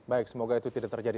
baik semoga itu tidak terjadi